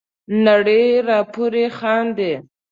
نړۍ را پوري خاندي.